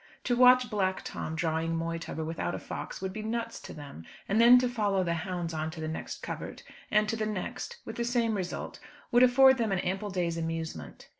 To watch Black Tom drawing Moytubber without a fox would be nuts to them; and then to follow the hounds on to the next covert, and to the next, with the same result, would afford them an ample day's amusement.